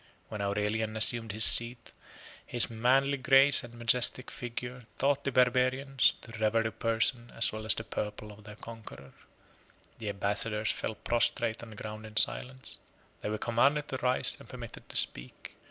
When Aurelian assumed his seat, his manly grace and majestic figure 30 taught the barbarians to revere the person as well as the purple of their conqueror. The ambassadors fell prostrate on the ground in silence. They were commanded to rise, and permitted to speak.